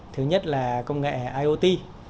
thứ nhất là công nghệ iot